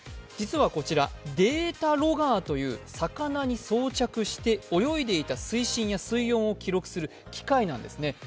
実はこちら、データロガーという魚に装着して泳いでいた水深や水温を記録する機械なんですね。